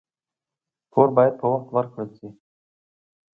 پور باید په وخت ورکړل شي.